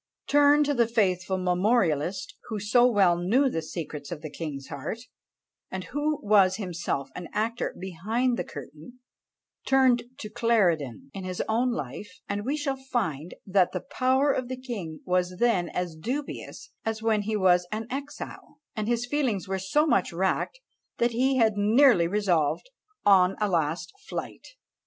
Turn to the faithful memorialist, who so well knew the secrets of the king's heart, and who was himself an actor behind the curtain; turn to Clarendon, in his own Life, and we shall find that the power of the king was then as dubious as when he was an exile; and his feelings were so much racked, that he had nearly resolved on a last flight.